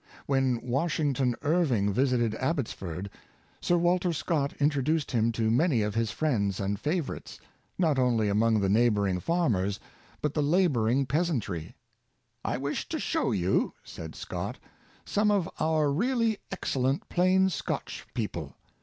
When Washington Irving visited Abbotsford, Sir Walter Scott introduced him to many of his friends and favorites, not only among the neighboring farmers, but the laboring peasantry. " I wish to show you," i said Scott, " some of our really excellent plain Scotch people.